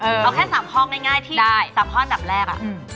เอาแค่๓ห้องง่ายที่๓ห้องดับแรก